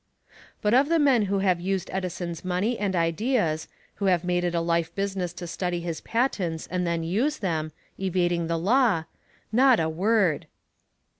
But of the men who have used Edison's money and ideas, who have made it a life business to study his patents and then use them, evading the law, not a word!